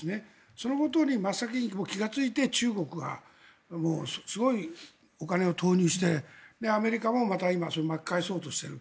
そのことに真っ先に気がついて中国はすごいお金を投入してアメリカもまた今それを巻き返そうとしている。